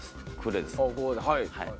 はい。